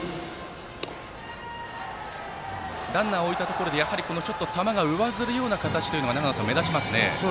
ランナーを置いたところで球が上ずるような形が長野さん、目立ちますね。